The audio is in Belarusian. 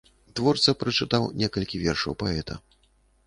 Творца прачытаў некалькі вершаў паэта.